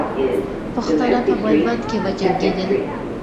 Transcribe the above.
پښتانه په میوند کې وجنګېدل.